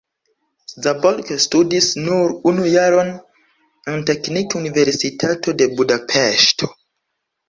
Szabolcs studis nur unu jaron en Teknikuniversitato de Budapeŝto.